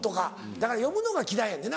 だから読むのが嫌いやねんな？